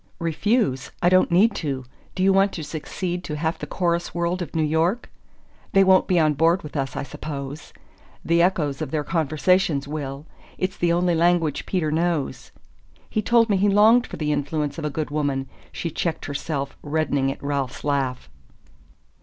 "Refuse? I don't need to! Do you want to succeed to half the chorus world of New York?" "They won't be on board with us, I suppose!" "The echoes of their conversation will. It's the only language Peter knows." "He told me he longed for the influence of a good woman " She checked herself, reddening at Ralph's laugh.